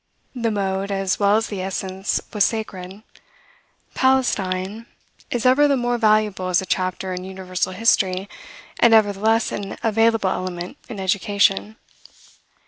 The mode, as well as the essence, was sacred. Palestine is ever the more valuable as a chapter in universal history, and ever the less an available element in education.